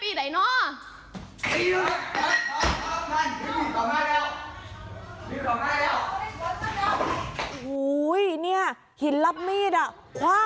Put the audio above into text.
ผู้ชายคนนี้เขาเป็นอะไร